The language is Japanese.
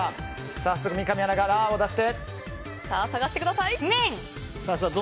早速三上アナがラーを出して。